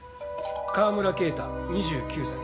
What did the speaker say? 川村啓太２９歳。